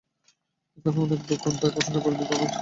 এখানে অনেক দোকান, তাই পছন্দ করে নিতে অনেক মার্কেটে ঘুরতে হবে না।